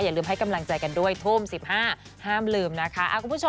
อย่าลืมให้กำลังใจกันด้วยทุ่ม๑๕นาทีห้ามลืมนะคะ